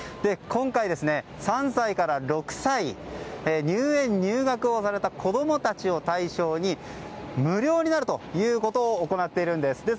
今回、３歳から６歳入園・入学をされた子供たちを対象に無料になるということを行っているんです。